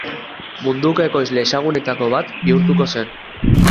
Munduko ekoizle ezagunenetako bat bihurtuko zen.